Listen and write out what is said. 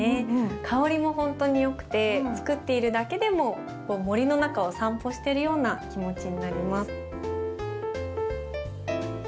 香りもほんとによくて作っているだけでも森の中を散歩してるような気持ちになります。